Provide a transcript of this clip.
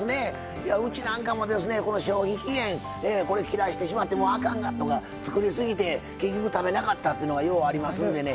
この消費期限これ切らしてしまってもうあかんがとか作りすぎて結局食べなかったっていうのがようありますんでね。